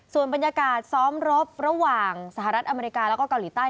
ส่วนบรรยากาศซ้อมรบระหว่างสหรัฐอเมริกาแล้วก็เกาหลีใต้